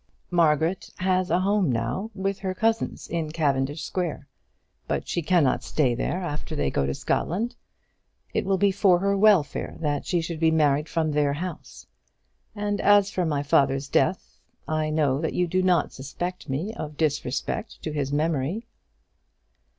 "Margaret has a home now with her cousins in Cavendish Square; but she cannot stay there after they go to Scotland. It will be for her welfare that she should be married from their house. And as for my father's death, I know that you do not suspect me of disrespect to his memory."